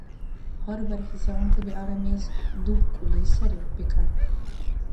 Гьар бархӀи сегъунти-биалра мез дубкӀули сари, бикӀар.